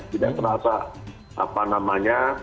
tidak terasa apa namanya